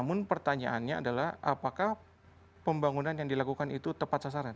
yang paling dirasakan adalah apakah pembangunan yang dilakukan itu tepat sasaran